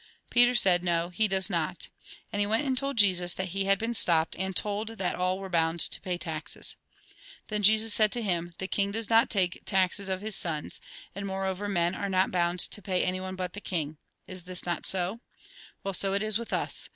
Peter said :" No, he does not." ^ And 1 See Note, p. 222. ii8 THE GOSPEL IN BRIEF he went and told Jesus that he had been stopped, and told that all were bound to pay taxes. Then Jesus said to him :" The king does not take taxes of his sons ; and moreover, men are not bound to pay anyone but the king. Is this not so? Well, so it is with us.